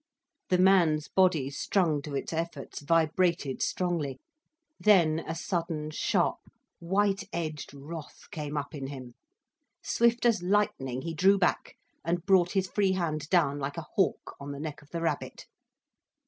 The man's body, strung to its efforts, vibrated strongly. Then a sudden sharp, white edged wrath came up in him. Swift as lightning he drew back and brought his free hand down like a hawk on the neck of the rabbit.